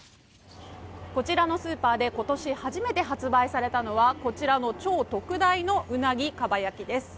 「こちらのスーパーでは今年初めて販売されるのは超特大のうなぎかば焼きです。